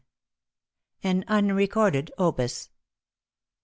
* *AN UNRECORDED OPUS.